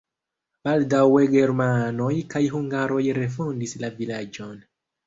Baldaŭe germanoj kaj hungaroj refondis la vilaĝon.